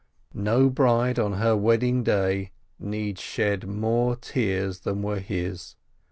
Xo bride on her wedding day need shed more tears than were his!